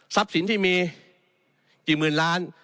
สินที่มีกี่หมื่นล้าน